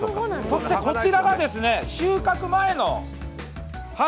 そして、こちらが収穫前。